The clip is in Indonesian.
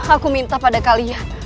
aku minta pada kalian